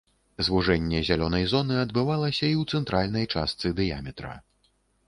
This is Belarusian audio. Звужэнне зялёнай зоны адбывалася і ў цэнтральнай частцы дыяметра.